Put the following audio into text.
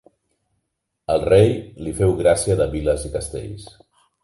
El rei li feu gràcia de viles i castells.